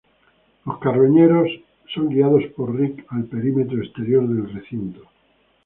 Los carroñeros son guiados por Rick al perímetro exterior del recinto.